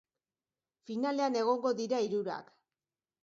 Finalean egongo dira hirurak.